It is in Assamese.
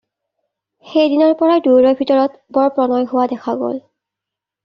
সেই দিনাৰ পৰা দুইৰো ভিতৰত বৰ প্ৰণয় হোৱা দেখা গ'ল।